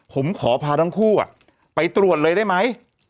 ผมขอพาทั้งคู่ไปตรวจเลยได้ไหม